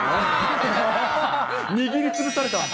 握りつぶされた。